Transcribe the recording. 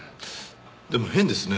でも変ですね。